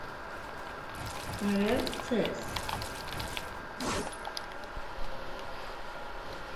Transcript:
Այդ պտտվող միգամածությունից հետագայում առաջացել են մոլորակները։